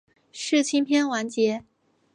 世青篇完结。